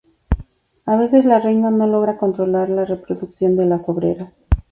A veces la reina no logra controlar la reproducción de las obreras.